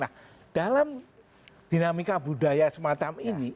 nah dalam dinamika budaya semacam ini